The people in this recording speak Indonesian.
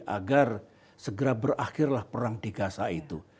agar segera berakhirlah perang di gaza itu